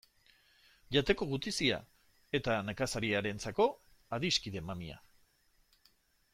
Jateko gutizia eta nekazariarentzako adiskide mamia.